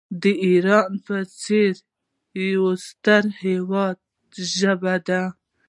د ایران په څېر یو ستر هیواد ژبه ده.